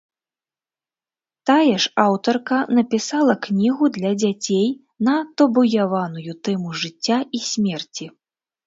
Тая ж аўтарка напісала кнігу для дзяцей на табуяваную тэму жыцця і смерці.